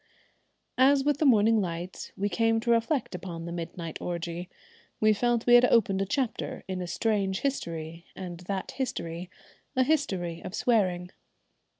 As with the morning light we came to reflect upon the midnight orgie, we felt we had opened a chapter in a strange history, and that history a history of swearing.